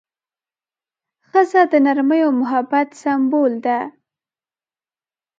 ښځه د نرمۍ او محبت سمبول ده.